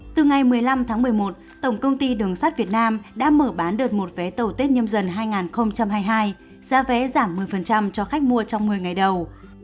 từ ngày một mươi năm tháng một mươi một tổng công ty đường sắt việt nam đã mở bán đợt một vé tàu tết nhâm dần hai nghìn hai mươi hai giá vé giảm một mươi cho khách mua trong một mươi ngày đầu